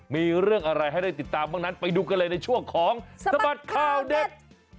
มีเรื่องอะไรให้ได้ติดตามบ้างนั้นไปดูกันเลยในช่วงของสบัดข่าวเด็ด